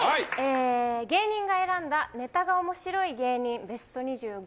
芸人が選んだネタが面白い芸人ベスト２５。